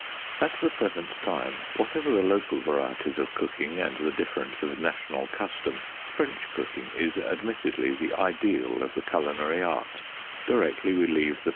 At the present time, whatever the local varieties of cooking, and the difference of national custom, French cooking is ad mittedly the ideal of the culinary art, directly we leave the plain 1 See Lady S.